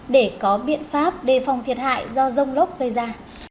để có biện pháp đề phòng thiệt hại do rông lốc gây ra